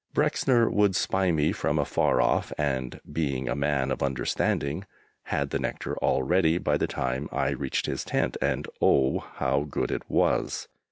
Bruxner would spy me from afar off, and, being a man of understanding, had the nectar all ready by the time I reached his tent, and oh, how good it was!